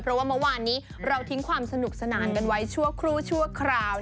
เพราะว่าเมื่อวานนี้เราทิ้งความสนุกสนานกันไว้ชั่วครู่ชั่วคราว